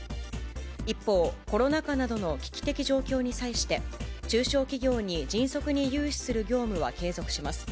一方、コロナ禍などの危機的状況に際して、中小企業に迅速に融資する業務は継続します。